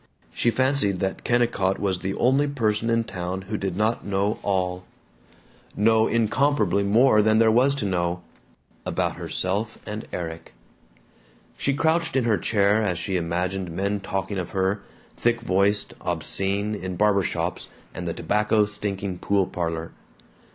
She fancied that Kennicott was the only person in town who did not know all know incomparably more than there was to know about herself and Erik. She crouched in her chair as she imagined men talking of her, thick voiced, obscene, in barber shops and the tobacco stinking pool parlor.